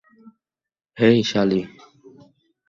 হেই, সালি।